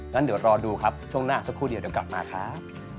งั้นเดี๋ยวรอดูครับช่วงหน้าสักครู่เดียวเดี๋ยวกลับมาครับ